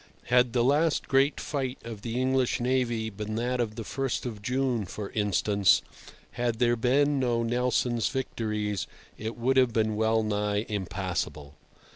Had the last great fight of the English navy been that of the First of June, for instance, had there been no Nelson's victories, it would have been wellnigh impassable.